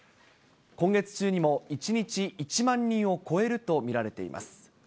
今月中にも１日１万人を超えると見られています。